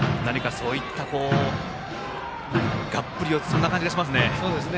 そういった、がっぷり四つそんな感じがします。